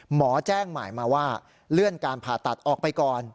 หมอแจ้งหมายมาว่าเลื่อนการผ่าตัดออกไปก่อน